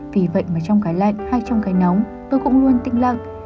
vì vậy mà trong cái lạnh hay trong cái nóng tôi cũng luôn tinh lặng